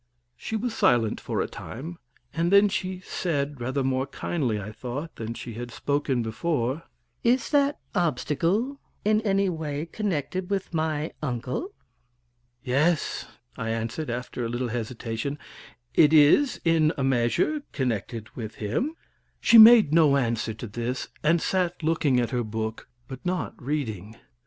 She was silent for a time, and then she said, rather more kindly, I thought, than she had spoken before: "Is that obstacle in any way connected with my uncle?" "Yes," I answered, after a little hesitation, "it is, in a measure, connected with him." She made no answer to this, and sat looking at her book, but not reading.